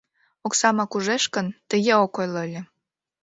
Оксамак ужеш гын, тыге ок ойло ыле.